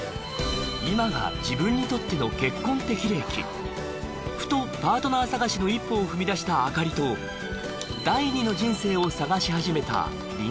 今が自分にとっての結婚適齢期ふとパートナー探しの一歩を踏み出した明里と第二の人生を探し始めた林